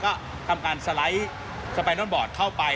ก็ทำการสไลด์สไปนอนบอร์ดเข้าไป